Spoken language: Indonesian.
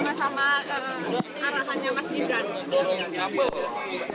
sama sama arahannya mas gibran